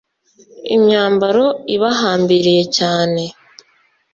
imyambaro ibahambiriye cyane…